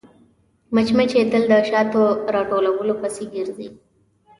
مچمچۍ تل د شاتو راټولولو پسې ګرځي